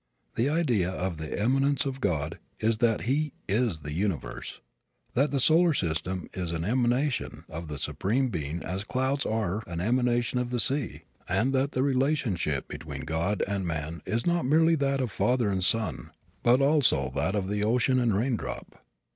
The idea of the immanence of God is that He is the universe; that the solar system is an emanation of the Supreme Being as clouds are an emanation of the sea, and that the relationship between God and man is not merely that of father and son but also that of ocean and raindrop.